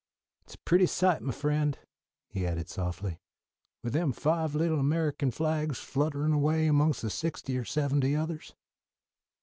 It's a pretty sight, my friend," he added softly, "with them five little American flags flutterin' away among the sixty or seventy others."